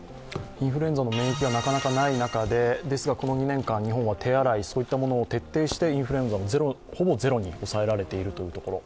インフルエンザの免疫がなかなかない中でこの２年間日本は手洗いを徹底してインフルエンザもほぼゼロに抑えているところ。